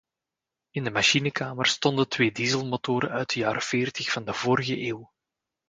In de machinekamer stonden twee dieselmotoren uit de jaren veertig van de vorige eeuw.